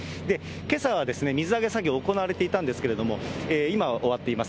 けさは水揚げ作業行われていたんですけれども、今は終わっています。